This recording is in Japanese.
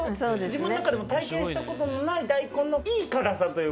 自分の中でも体験したことのない大根のいい辛さというか。